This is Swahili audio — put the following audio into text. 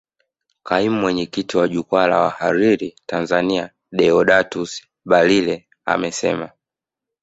Kaimu mwenyekiti wa jukwaa la wahariri Tanzania Deodatus Balile amesema